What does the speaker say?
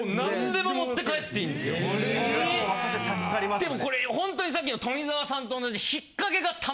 でもこれほんとにさっきの富澤さんと同じ。